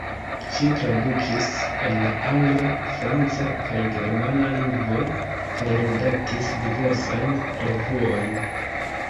Ŝi tradukis el la angla, franca kaj germana lingvoj kaj redaktis diversajn revuojn.